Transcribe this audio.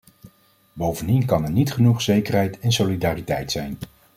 Bovendien kan er niet genoeg zekerheid en solidariteit zijn.